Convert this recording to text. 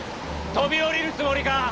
飛び降りるつもりか？